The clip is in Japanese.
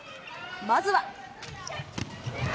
まずは。